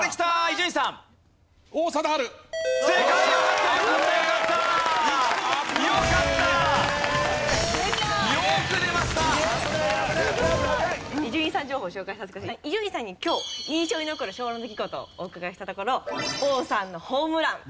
伊集院さんに今日印象に残る昭和の出来事をお伺いしたところ王さんのホームラン。